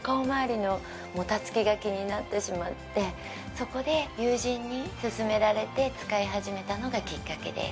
そこで友人に勧められて使い始めたのがきっかけです